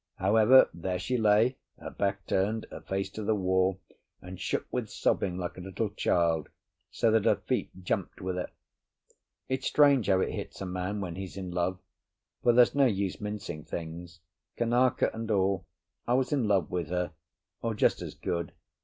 However, there she lay—her back turned, her face to the wall—and shook with sobbing like a little child, so that her feet jumped with it. It's strange how it hits a man when he's in love; for there's no use mincing things—Kanaka and all, I was in love with her, or just as good.